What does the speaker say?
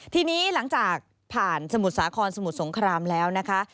ทีนี้หลังจากผ่านสมุทรสาครสมุทรสงครามแล้วนะคะ